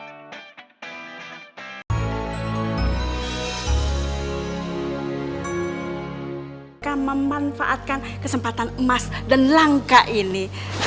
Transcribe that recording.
mereka memanfaatkan kesempatan emas dan langka ini